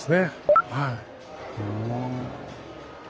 はい。